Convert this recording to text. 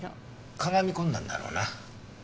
屈み込んだんだろうな。